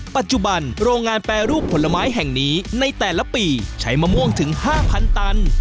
ปัจจุบันโรงงานแปรรูปผลไม้แห่งนี้ในแต่ละปีใช้มะม่วงถึง๕๐๐ตัน